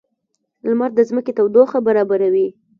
• لمر د ځمکې تودوخه برابروي.